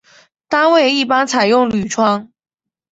单位一般采用铝窗。